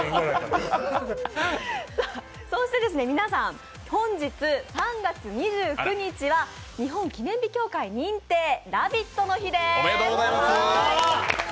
そして皆さん、本日３月２９日は日本記念日協会認定「ラヴィット！」の日です。